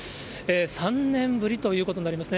３年ぶりということになりますね。